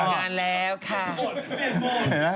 แต่งงานแล้วค่ะ